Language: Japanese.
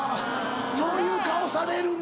そういう顔されるんだ。